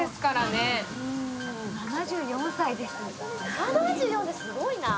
７４ってすごいな。